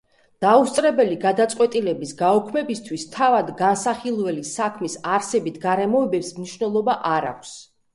დაუსწრებელი გადაწყვეტილების გაუქმებისათვის თავად განსახილველი საქმის არსებით გარემოებებს მნიშვნელობა არ აქვს.